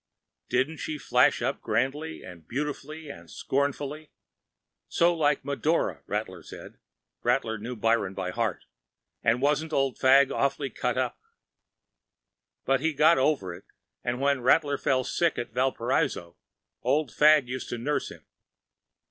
Didn’t she flash up grandly, and beautifully, and scornfully? So like ‚ÄúMedora,‚ÄĚ Rattler said,‚ÄĒRattler knew Byron by heart,‚ÄĒand wasn’t Old Fagg awfully cut up? But he got over it, and when Rattler fell sick at Valparaiso, Old Fagg used to nurse him.